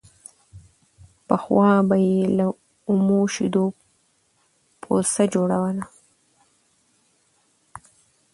پخوا به يې له اومو شيدو پوڅه جوړوله